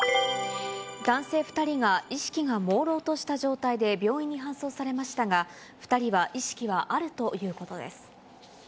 男性２人が意識がもうろうとした状態で病院に搬送されましたが、２人は意識はあるということです。